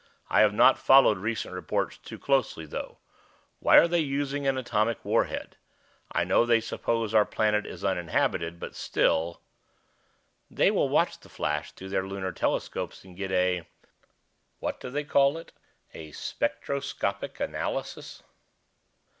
"I have not followed recent reports too closely, though. Why are they using an atomic warhead? I know they suppose our planet is uninhabited, but still " "They will watch the flash through their lunar telescopes and get a what do they call it? a spectroscopic analysis.